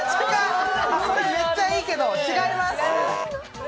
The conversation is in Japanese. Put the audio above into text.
それめっちゃいいけど、違います。